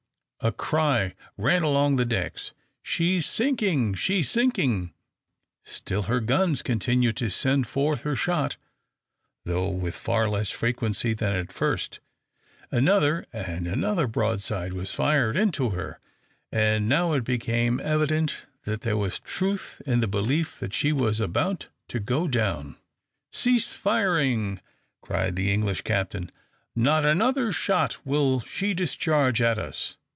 A cry ran along the decks, "She's sinking, she's sinking!" Still her guns continued to send forth her shot, though with far less frequency than at first. Another and another broadside was fired into her; and now it became evident that there was truth in the belief that she was about to go down. "Cease firing!" cried the English captain. "Not another shot will she discharge at us."